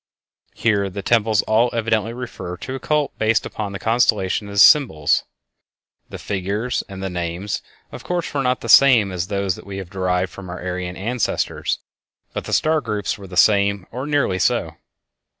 Here the temples all evidently refer to a cult based upon the constellations as symbols. The figures and the names, of course, were not the same as those that we have derived from our Aryan ancestors, but the star groups were the same or nearly so.